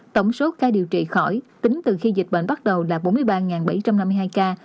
tổng số ca điều trị khỏi tính từ khi dịch bệnh bắt đầu là bốn mươi ba bảy trăm năm mươi hai ca